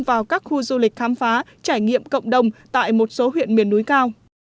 vào các khu du lịch khám phá trải nghiệm cộng đồng tại một số huyện miền núi cao